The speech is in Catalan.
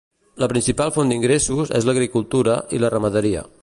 La principal font d'ingressos és l'agricultura i la ramaderia.